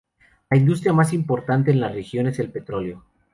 La industria más importante en la región es el petróleo.